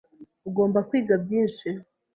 Ugomba kwiga byinshi.